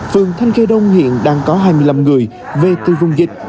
phường thanh khê đông hiện đang có hai mươi năm người về từ vùng dịch